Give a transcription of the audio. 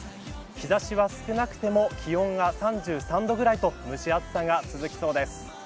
日差しは少なくても気温は３３度ぐらいと蒸し暑さが続きそうです。